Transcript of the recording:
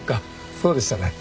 そうでしたね。